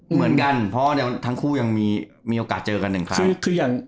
เหมือนกันเพราะว่าเดี๋ยวทั้งคู่ยังมีโอกาสเจอกันหนึ่งครั้ง